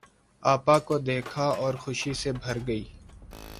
آپا کو دیکھا اور خوشی سے بھر گئی۔